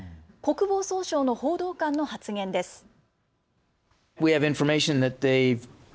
国防総省の報道官の発言です。